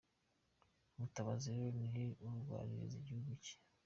Mutabazi rero ni urwanirira igihugu cye.